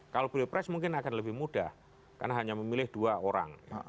kalau pilpres mungkin akan lebih mudah karena hanya memilih dua orang